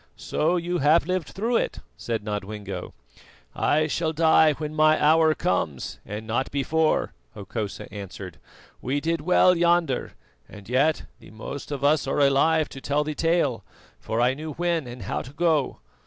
"So you have lived through it," said Nodwengo. "I shall die when my hour comes, and not before," Hokosa answered. "We did well yonder, and yet the most of us are alive to tell the tale, for I knew when and how to go.